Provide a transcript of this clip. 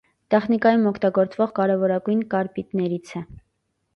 Տեխնիկայում օգտագործվող կարևորագույն կարբիդներից է։